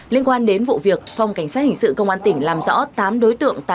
liên quan đến vụ việc phòng cảnh sát hình sự công an tỉnh làm rõ tám đối tượng